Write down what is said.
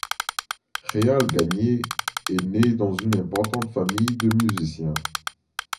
Réal Gagnier est né dans une importante famille de musiciens.